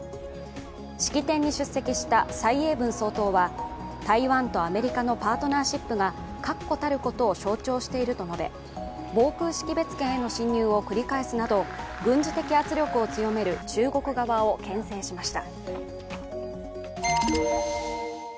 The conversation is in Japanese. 式典に出席した蔡英文総統は台湾とアメリカのパートナーシップが確固たることを象徴していると述べ、防空識別圏への侵入を繰り返すなど軍事的圧力を強める中国側をけん制しました。